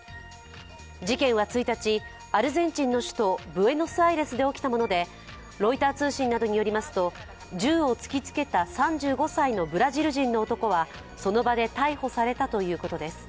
事件は１日、アルゼンチンの首都ブエノスアイレスで起きたものでロイター通信などによりますと、銃を突きつけた３５歳のブラジル人の男はその場で逮捕されたということです。